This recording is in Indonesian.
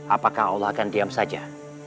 apakah allah akan diam saja